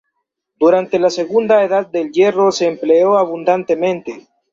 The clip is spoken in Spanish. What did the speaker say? Durante la segunda Edad del Hierro se empleó abundantemente.